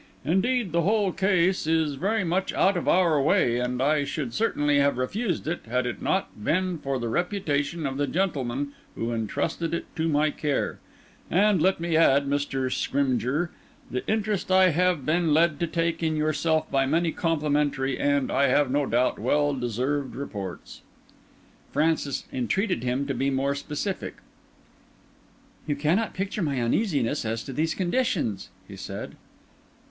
Indeed, the whole case is very much out of our way; and I should certainly have refused it had it not been for the reputation of the gentleman who entrusted it to my care, and, let me add, Mr. Scrymgeour, the interest I have been led to take in yourself by many complimentary and, I have no doubt, well deserved reports." Francis entreated him to be more specific. "You cannot picture my uneasiness as to these conditions," he said.